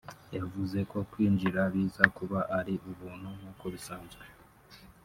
yavuze ko kwinjira biza kuba ari ubuntu nk’uko bisanzwe